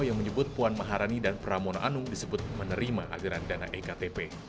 yang menyebut puan maharani dan pramono anung disebut menerima aliran dana ektp